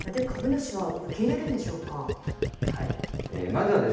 これで株主は受け入れるんでしょうか。